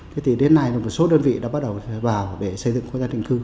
thế thì đến nay là một số đơn vị đã bắt đầu vào để xây dựng khu tái định cư